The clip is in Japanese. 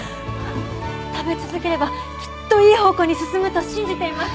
食べ続ければきっといい方向に進むと信じています。